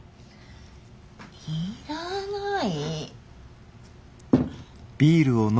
いらない。